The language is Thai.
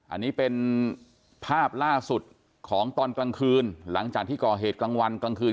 อันนี้เป็นภาพล่าสุดของตอนกลางคืนหลังจากที่ก่อเหตุกลางวันกลางคืน